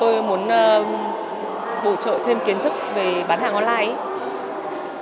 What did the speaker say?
tôi muốn bổ trợ thêm kiến thức về bán hàng online ấy